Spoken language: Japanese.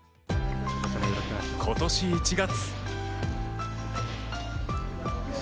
今年１月